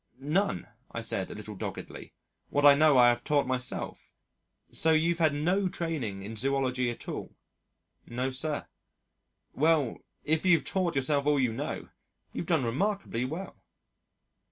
"None," I said a little doggedly. "What I know I have taught myself." "So you've had no training in Zoology at all?" "No, sir." "Well, if you've taught yourself all you know, you've done remarkably well."